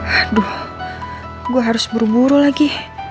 aduh gue harus buru buru lagi